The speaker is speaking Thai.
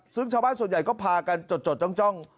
ซึ่งชาวบ้านส่วนใหญ่ก็พากันจดจ้อง